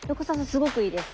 すごくいいです。